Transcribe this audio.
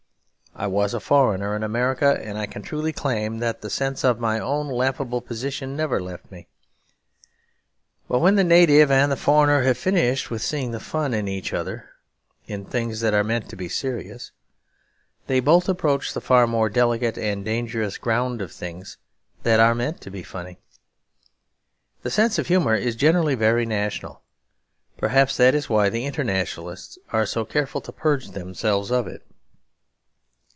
I was a foreigner in America; and I can truly claim that the sense of my own laughable position never left me. But when the native and the foreigner have finished with seeing the fun of each other in things that are meant to be serious, they both approach the far more delicate and dangerous ground of things that are meant to be funny. The sense of humour is generally very national; perhaps that is why the internationalists are so careful to purge themselves of it.